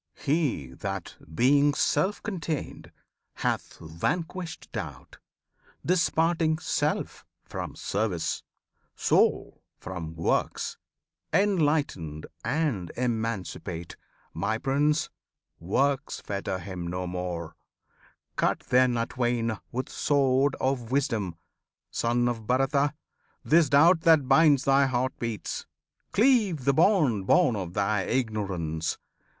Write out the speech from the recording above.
He that, being self contained, hath vanquished doubt, Disparting self from service, soul from works, Enlightened and emancipate, my Prince! Works fetter him no more! Cut then atwain With sword of wisdom, Son of Bharata! This doubt that binds thy heart beats! cleave the bond Born of thy ignorance!